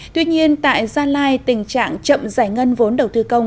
tuy nhiên tại gia lai tình trạng chậm giải ngân vốn đầu tư công